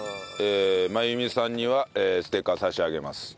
まゆみさんにはステッカー差し上げます。